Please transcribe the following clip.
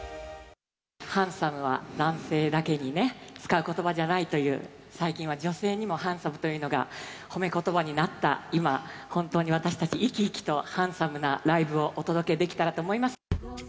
ハンサムは男性だけにね、使うことばじゃないという、最近は女性にもハンサムというのが褒めことばになった今、本当に私たち生き生きとハンサムなライブをお届けできたらなと思います。